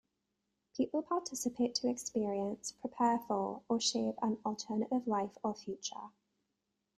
People participate to experience, prepare for or shape an alternative life or future.